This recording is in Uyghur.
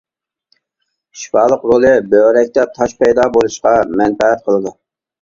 شىپالىق رولى:بۆرەكتە تاش پەيدا بولۇشقا مەنپەئەت قىلىدۇ.